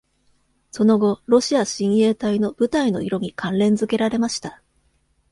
その後、ロシア親衛隊の部隊の色に関連付けられました。